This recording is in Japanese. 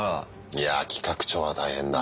いや企画長は大変だ。